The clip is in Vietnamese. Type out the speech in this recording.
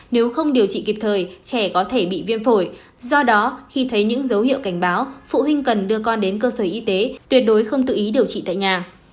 nếu không điều trị kịp thời trẻ có thể bị viêm phổi do đó khi thấy những dấu hiệu cảnh báo phụ huynh cần đưa con đến cơ sở y tế tuyệt đối không tự ý điều trị tại nhà